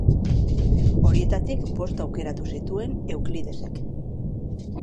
Horietatik bost aukeratu zituen Euklidesek.